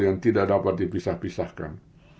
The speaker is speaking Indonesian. yang tidak dapat dipisah pisahkan